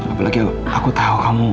apalagi aku tahu